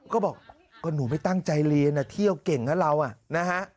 ก็บอกก็หนูไม่ตั้งใจเรียนเที่ยวเก่งนะเรานะฮะ